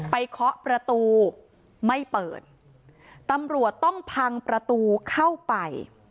เคาะประตูไม่เปิดตำรวจต้องพังประตูเข้าไป